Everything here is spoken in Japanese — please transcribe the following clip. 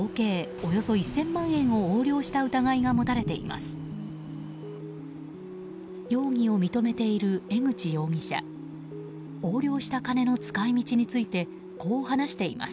およそ１０００万円を横領した疑いが持たれています。